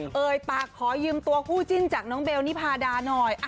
เอ่ยปากขอยืมตัวคู่จิ้นจากน้องเบลนิพาดาหน่อย